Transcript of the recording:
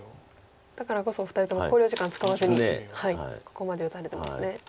だからこそお二人とも考慮時間使わずにここまで打たれてますね。